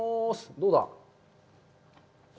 どうだ？